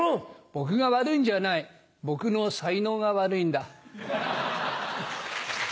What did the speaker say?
僕が悪いんじゃない僕の才能が悪いんだ。